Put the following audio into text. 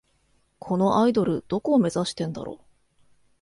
このアイドル、どこを目指してんだろ